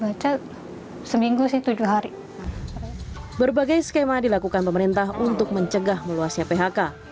baca seminggu sih tujuh hari berbagai skema dilakukan pemerintah untuk mencegah meluasnya phk